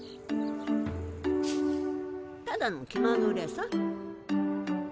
ただの気まぐれさ。